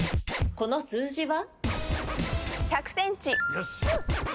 この数字は？